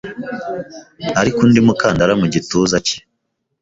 Ariko undi mukandara mugituza cye